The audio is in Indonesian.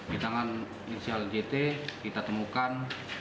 di tangan inisial jt kita temukan